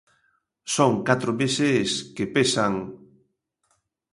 Son catro meses, que pesan...